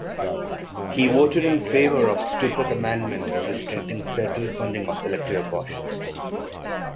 He voted in favor of the Stupak Amendment restricting federal funding of elective abortions.